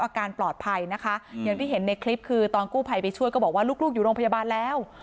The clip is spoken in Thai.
อาการปลอดภัยนะคะอย่างที่เห็นในคลิปคือตอนกู้ภัยไปช่วยก็บอกว่าลูกอยู่โรงพยาบาลแล้ว